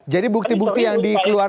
jadi bukti bukti yang dikeluarkan